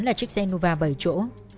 là chiếc xe innova bảy chỗ